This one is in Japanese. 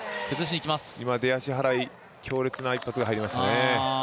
今、出足払い、強烈な一発が入りましたね。